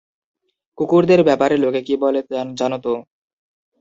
কুকুরদের ব্যাপারে লোকে কী বলে জানো তো।